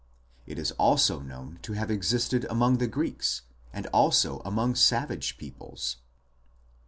It is also known to have existed among the Greeks, 8 and also among savage peoples.